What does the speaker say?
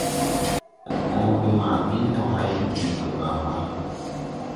Õõbe ma ɓil mo hay ɓiɓir debaŋ wà.